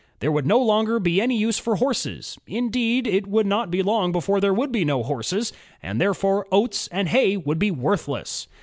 There would no longer be any use for horses, — indeed, it would not be long before there would be no horses, and therefore oats and hay would be worthless.